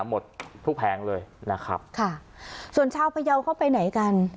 หมดทุกแผงเลยนะครับค่ะส่วนชาวพยาวเข้าไปไหนกัน